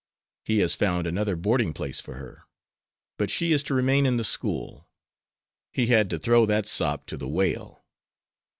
"He has found another boarding place for her, but she is to remain in the school. He had to throw that sop to the whale."